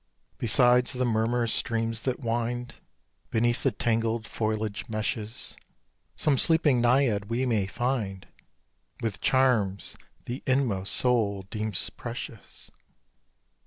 Beside the murmurous streams that wind Beneath the tangled foliage meshes Some sleeping naiad we may find, With charms the inmost soul deems precious.